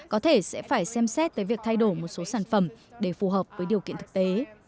có thể sẽ phải xem xét tới việc thay đổi một số sản phẩm để phù hợp với điều kiện thực tế